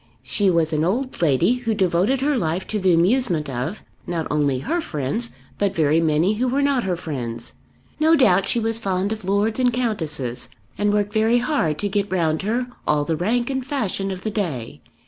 She was an old lady who devoted her life to the amusement of not only her friends, but very many who were not her friends. No doubt she was fond of Lords and Countesses, and worked very hard to get round her all the rank and fashion of the day.